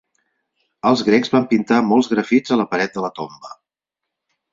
Els grecs van pintar molts grafits a la paret de la tomba.